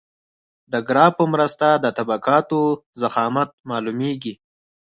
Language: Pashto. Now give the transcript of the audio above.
د ګراف په مرسته د طبقاتو ضخامت معلومیږي